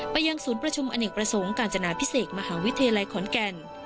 ยังศูนย์ประชุมอเนกประสงค์การจนาพิเศษมหาวิทยาลัยขอนแก่น